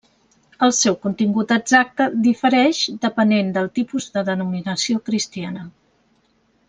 El seu contingut exacte difereix depenent del tipus de denominació cristiana.